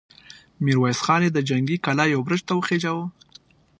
ميرويس خان يې د جنګي کلا يوه برج ته وخېژاوه!